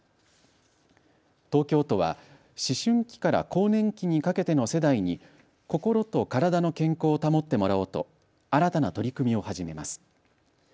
東京都は、思春期から更年期にかけての世代に心と体の健康を保ってもらおうと新たな取り組みを始めます。